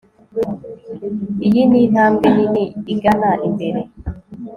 Iyi ni intambwe nini igana imbere